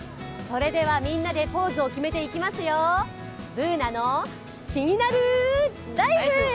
みんなでポーズを決めていきますよ、「ＢｏｏｎａのキニナルＬＩＦＥ」